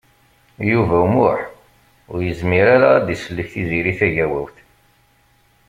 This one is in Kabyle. Yuba U Muḥ ur yezmir ara ad d-isellek Tiziri Tagawawt.